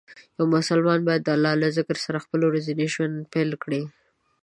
یو مسلمان باید د الله له ذکر سره خپل ورځنی ژوند پیل کړي.